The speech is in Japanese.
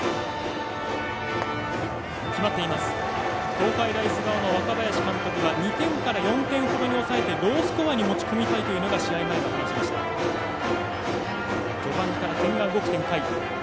東海大菅生の若林監督は２点から４点ほどに抑えてロースコアに持ち込みたいというのが試合前の話でした。